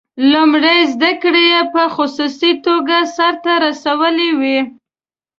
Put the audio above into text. لومړنۍ زده کړې یې په خصوصي توګه سرته رسولې وې.